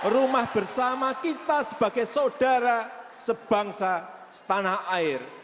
rumah bersama kita sebagai saudara sebangsa setanah air